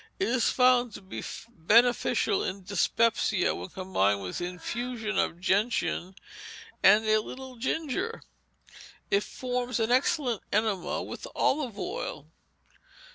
It is found to be beneficial in dyspepsia when combined with infusion of gentian and a little ginger. It forms an excellent enema with olive oil.